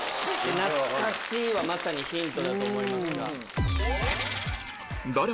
「懐かしい」はまさにヒントだと思います。